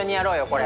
これ！